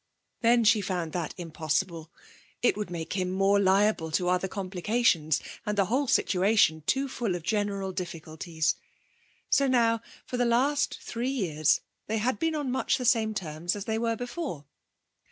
Then she found that impossible. It would make him more liable to other complications and the whole situation too full of general difficulties. So now, for the last three years, they had been on much the same terms as they were before.